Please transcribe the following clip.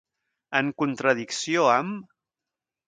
En contradicció amb.